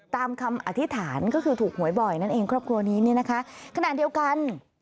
คำอธิษฐานก็คือถูกหวยบ่อยนั่นเองครอบครัวนี้เนี่ยนะคะขณะเดียวกัน